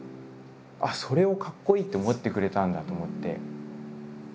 あっそれをかっこいいって思ってくれたんだと思って。